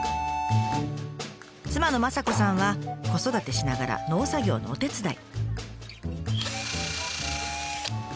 妻の雅子さんは子育てしながら農作業のお手伝い。